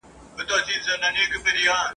تل یې غوښي وي په خولو کي د لېوانو ..